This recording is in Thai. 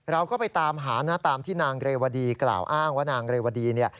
เราก็ไปตามหานะตามที่นางเรวดีกล่าวอ้างว่านางเรวดีเนี่ย